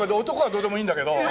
男はどうでもいいんだけど。